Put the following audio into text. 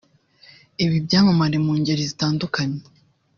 Ibi byamamare mu ngeri zitandukanye